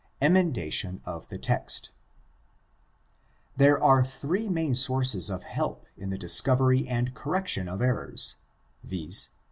EMENDATION OF THE TEXT There are three main sources of help in the discovery and correction of errors, viz.